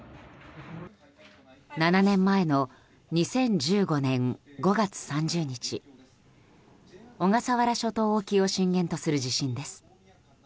７年前の２０１５年５月３０日小笠原諸島沖を震源とする地震です。